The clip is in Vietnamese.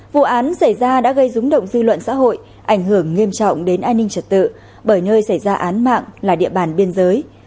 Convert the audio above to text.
vụ án xảy ra đã gây rúng động dư luận xã hội ảnh hưởng nghiêm trọng đến an ninh trật tự bởi nơi xảy ra án mạng là địa bàn biên giới